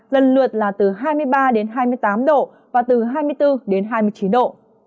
lần lượt là từ hai mươi ba đến hai mươi tám độ và từ hai mươi bốn đến hai mươi chín độ